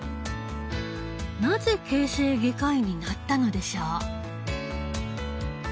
なぜ形成外科医になったのでしょう？